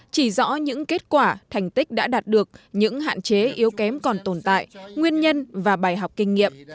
chỉ rõ những kết quả thành tích đã đạt được những hạn chế yếu kém còn tồn tại nguyên nhân và bài học kinh nghiệm